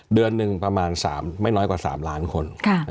เดือนหนึ่งไม่น้อยกว่า๓ล้านคน